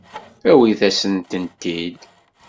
Awit-asen-tent-id.